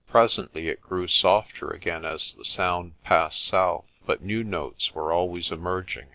Presently it grew softer again as the sound passed south, but new notes were always emerging.